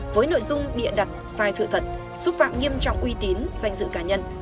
với nội dung bịa đặt sai sự thật xúc phạm nghiêm trọng uy tín danh dự cá nhân